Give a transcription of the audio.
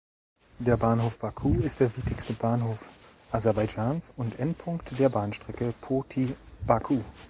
Der Bahnhof Baku ist der wichtigste Bahnhof Aserbaidschans und Endpunkt der Bahnstrecke Poti–Baku.